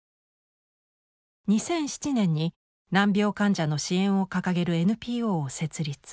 ２００７年に難病患者の支援を掲げるＮＰＯを設立。